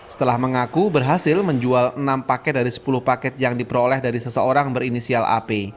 setelah mengaku berhasil menjual enam paket dari sepuluh paket yang diperoleh dari seseorang berinisial ap